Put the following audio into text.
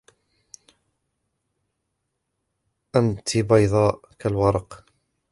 أنت بيضاء كالورق.